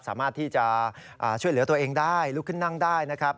สามารถที่จะช่วยเหลือตัวเองได้ลุกขึ้นนั่งได้นะครับ